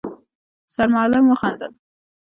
سرمعلم وخندل: